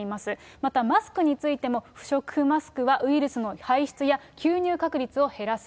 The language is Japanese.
またマスクについても、不織布マスクはウイルスの排出や吸入確率を減らす。